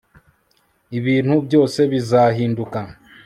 ibintu byose bizahinduka